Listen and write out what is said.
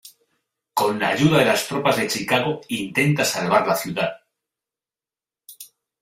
Con la ayuda de las tropas de Chicago intenta salvar la ciudad.